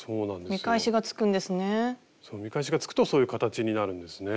見返しがつくとそういう形になるんですね。